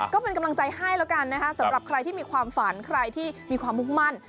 ก็เป็นกำลังใจให้แล้วกันนะคะสำหรับใครที่มีความฝันใครที่มีความมุ่งมั่น